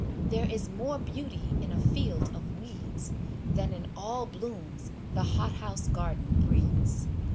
There is more beauty in a field of weeds Than in all blooms the hothouse garden breeds.